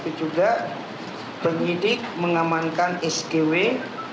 dan juga pengusaha yang berpenggunaan di kabupaten kebumen ini